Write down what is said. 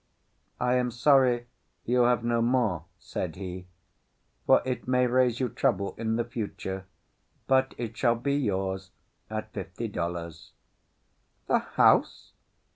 "I am sorry you have no more," said he, "for it may raise you trouble in the future; but it shall be yours at fifty dollars." "The house?"